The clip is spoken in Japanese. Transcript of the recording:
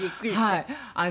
はい。